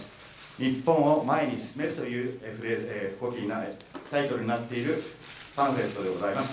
「日本を前に進める」というタイトルになっているパンフレットでございます。